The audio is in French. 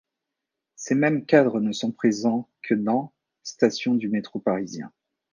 Ces mêmes cadres ne sont présents que dans stations du métro parisien.